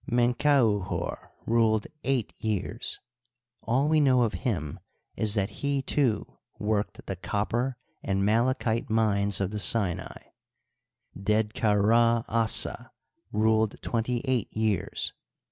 Menkauhor ruled eight years. All we know of him is that he, too, worked the copper and malachite mines of the Sinai. Ded ka Ra Assa ruled twenty eight years.